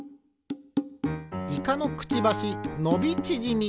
イカのくちばしのびちぢみ。